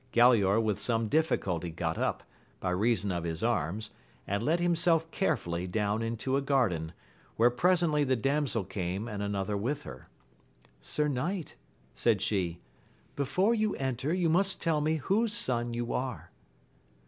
Galaor with some difficulty got up, by reason of his arms, and let himself carefully down into a garden, where presently the damsel came, and another with her. Sir knight, said she, before you enter you must tell me whose son you are.